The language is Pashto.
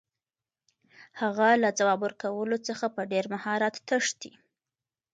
هغه له ځواب ورکولو څخه په ډېر مهارت تښتي.